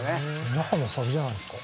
那覇の方が先じゃないですか？